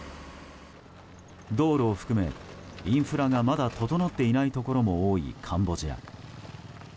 道路を含め、インフラがまだ整っていないところも多いカンボジア。